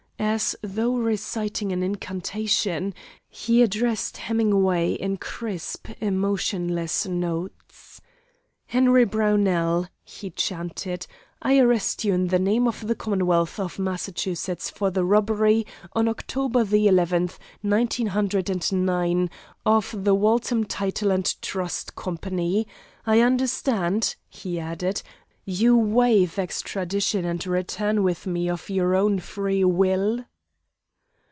As though reciting an incantation, he addressed Hemingway in crisp, emotionless notes. "Henry Brownell," he chanted, "I arrest you in the name of the commonwealth of Massachusetts for the robbery, on October the eleventh, nineteen hundred and nine, of the Waltham Title and Trust Company. I understand," he added, "you waive extradition and return with me of your own free will?"